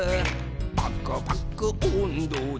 「パクパクおんどで」